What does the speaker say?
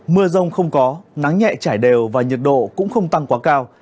mưa rông không có nắng nhẹ trải đều và nhiệt độ cũng không tăng quá cao